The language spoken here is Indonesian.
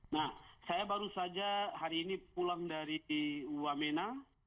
nah saya baru saja hari ini pulang dari wamena